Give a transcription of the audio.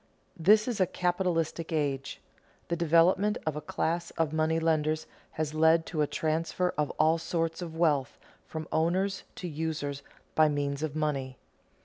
_ This is a capitalistic age. The development of a class of money lenders has led to a transfer of all sorts of wealth from owners to users by means of money.